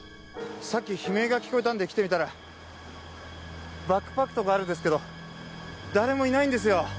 さっき悲鳴が聞こえたんで来てみたらバックパックとかあるんですけど誰もいないんですよ。